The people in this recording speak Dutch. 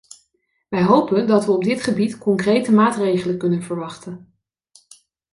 Wij hopen dat we op dit gebied concrete maatregelen kunnen verwachten.